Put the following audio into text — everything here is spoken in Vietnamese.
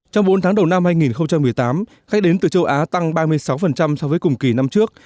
trong bốn tháng đầu năm hai nghìn một mươi tám khách đến từ châu á tăng ba mươi sáu so với cùng kỳ năm trước